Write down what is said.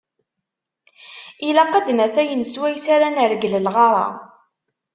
Ilaq ad d-naf ayen swayes ara nergel lɣar-a.